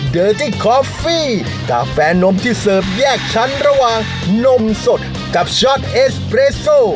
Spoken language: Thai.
เดินที่คอฟฟี่กาแฟนมที่เสิร์ฟแยกชั้นระหว่างนมสดกับช็อตเอสเปรสโซ